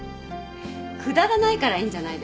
くだらないからいいんじゃないですか。